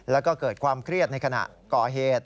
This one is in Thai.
แล้วก็เกิดความเครียดในขณะก่อเหตุ